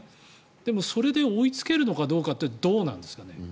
でも、それで追いつけるのかどうかってどうなんですかね。